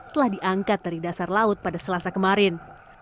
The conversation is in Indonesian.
telah diangkat dari dasar laut pada selasa kemarin